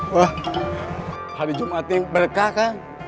wah hari jumat ini berkah kang